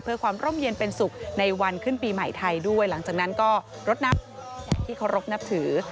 เพื่อความร่มเย็นเป็นสุขในวันขึ้นปีใหม่ไทยด้วยหลังจากนั้นก็รถนับที่เคารพนับถือ